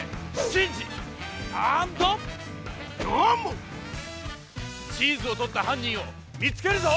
チーズをとったはんにんをみつけるぞ！